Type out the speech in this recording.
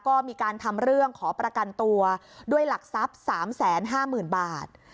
ก็มีการทำเรื่องขอประกันตัวด้วยหลักทรัพย์๓๕๐๐๐บาท